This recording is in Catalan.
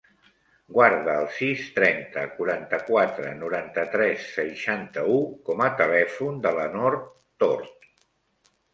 Guarda el sis, trenta, quaranta-quatre, noranta-tres, seixanta-u com a telèfon de la Nor Tort.